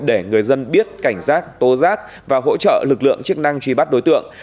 để người dân biết cảnh giác tố giác và hỗ trợ lực lượng chức năng truy bắt đối tượng